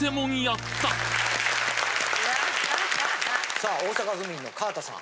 さあ大阪府民の川田さん。